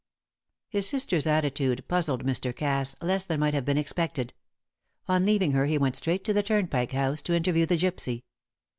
His sister's attitude puzzled Mr. Cass less than might have been expected. On leaving her he went straight to the Turnpike House to interview the gypsy.